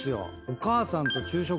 お母さんと昼食。